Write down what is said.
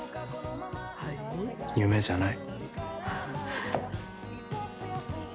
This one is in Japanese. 夢じゃない。